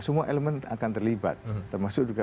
semua elemen akan terlibat termasuk juga